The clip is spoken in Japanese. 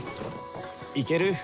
いける？